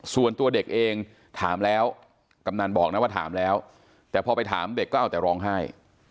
ส่วนตัวเด็กเองถามแล้วกำนันบอกนะว่าถามแล้วแต่พอไปถามเด็กก็เอาแต่ร้องไห้